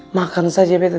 makan saja beta